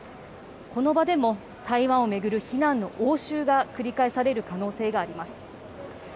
この場でも台湾を巡る非難の応酬が繰り返される可能性があります。